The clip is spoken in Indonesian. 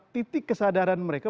titik kesadaran mereka